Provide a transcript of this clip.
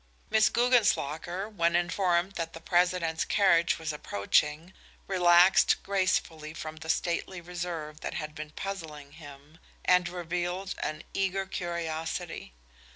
Miss Guggenslocker, when informed that the President's carriage was approaching, relaxed gracefully from the stately reserve that had been puzzling him, and revealed an eager curiosity.